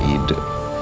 aku punya ide